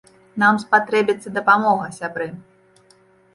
Нам спатрэбіцца дапамога, сябры.